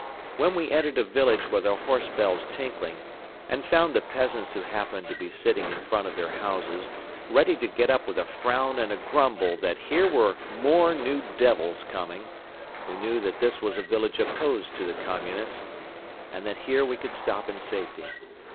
When we entered a village with our horse bells tinkling and found the peasants who happened to be sitting in front of their houses ready to get up with a frown and a grumble that here were more new devils coming, we knew that this was a village opposed to the Communists and that here we could stop in safety.